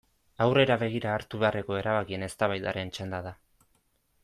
Aurrera begira hartu beharreko erabakien eztabaidaran txanda da.